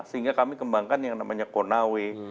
sehingga kami kembangkan yang namanya konawe